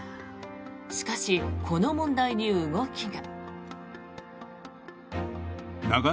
しかし、この問題に動きが。